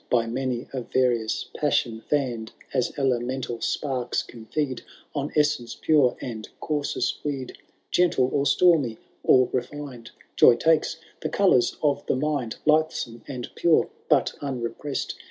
By many a various passion fanned ;— As elemental sparks can feed On essence pure and coarsest weed, G«ntle, or stormy, or refined, Joy takes the colours of the mind. Lightsome and pure, but unrepress'd.